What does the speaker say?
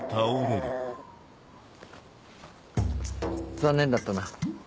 残念だったな。